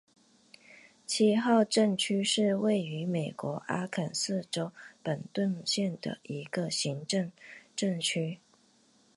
七号镇区是位于美国阿肯色州本顿县的一个行政镇区。